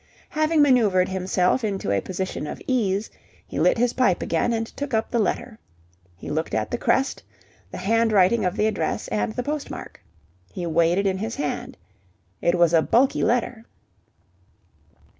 Having manoeuvred himself into a position of ease, he lit his pipe again and took up the letter. He looked at the crest, the handwriting of the address, and the postmark. He weighed it in his hand. It was a bulky letter.